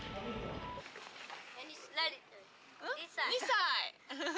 ２歳！